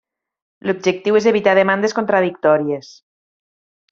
L'objectiu és evitar demandes contradictòries.